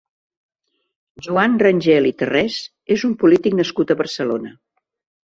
Joan Rangel i Tarrés és un polític nascut a Barcelona.